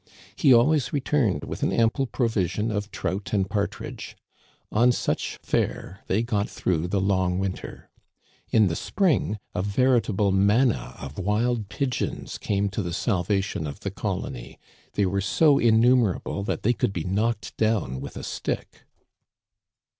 He always returned with an ample provision of trout and partridge. On such fare they got through the long winter. In the spring a veritable manna of wild pigeons came to the salvation of the colony ; they were so innumerable that they could be knocked down with a stick.